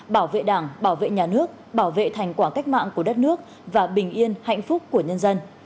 bảo vệ đảng bảo vệ nhà nước bảo vệ thành quả cách mạng của đất nước và bình yên hạnh phúc của nhân dân